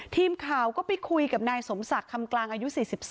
ทีมข่าวก็ไปคุยกับนายสมศักดิ์คำกลางอายุ๔๒